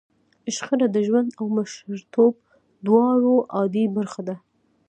شخړه د ژوند او مشرتوب دواړو عادي برخه ده.